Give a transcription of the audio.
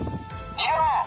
逃げろ。